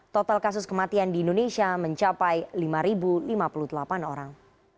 total kasus kematian di indonesia mencapai lima lima puluh delapan orang